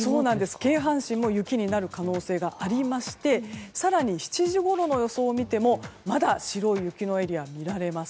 京阪神も雪になる可能性があり７時ごろの予想を見てもまだ白い雪のエリアが見られます。